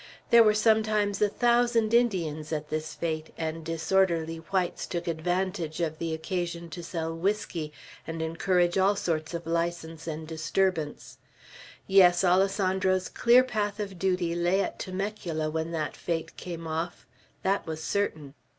There were sometimes a thousand Indians at this fete, and disorderly whites took advantage of the occasion to sell whisky and encourage all sorts of license and disturbance. Yes, Alessandro's clear path of duty lay at Temecula when that fete came off. That was certain.